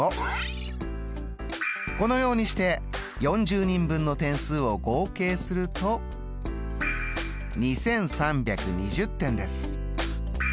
このようにして４０人分の点数を合計すると２，３２０点です。